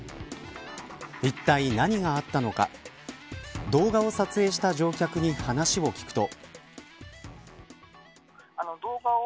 いったい何があったのか動画を撮影した乗客に話を聞くと。